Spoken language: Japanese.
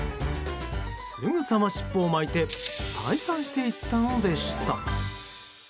すぐさま尻尾を巻いて退散していったのでした。